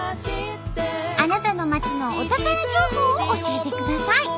あなたの町のお宝情報を教えてください。